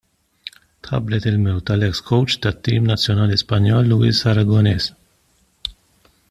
Tħabbret il-mewt tal-eks kowċ tat-tim nazzjonali Spanjol Luis Aragones.